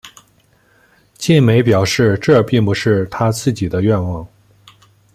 晋美表示这并不是他自己的愿望。